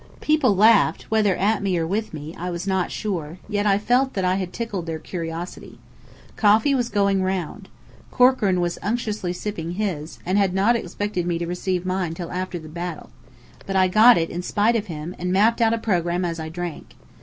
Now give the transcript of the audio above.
People laughed, whether at me, or with me, I was not sure; yet I felt that I had tickled their curiosity. Coffee was going round. Corkran was unctuously sipping his, and had not expected me to receive mine till after the battle. But I got it in spite of him, and mapped out a programme as I drank.